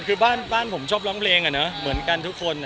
คือบ้านผมชอบร้องเพลงเหมือนกันทุกคน